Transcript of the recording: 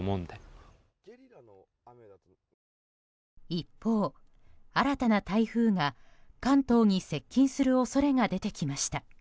一方、新たな台風が関東に接近する恐れが出てきました。